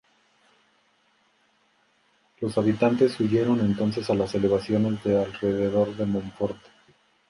Los habitantes huyeron entonces a las elevaciones de alrededor de Monforte.